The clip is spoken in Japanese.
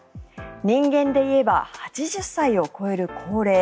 人間でいえば８０歳を超える高齢。